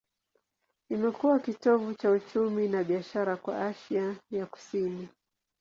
Imekuwa kitovu cha uchumi na biashara kwa Asia ya Kusini.